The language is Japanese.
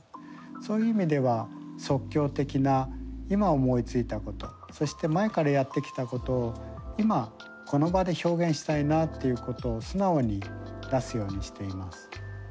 そういう意味では即興的な今思いついたことそして前からやってきたことを今この場で表現したいなということを素直に出すようにしています。